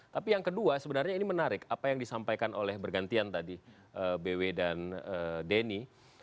tapi yang kedua sebenarnya ini menarik apa yang disampaikan oleh bergantian tadi bw dan denny